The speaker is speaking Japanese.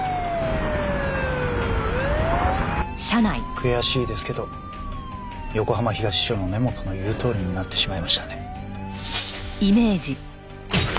悔しいですけど横浜東署の根本の言うとおりになってしまいましたね。